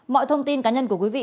mọi thông tin cá nhân của quý vị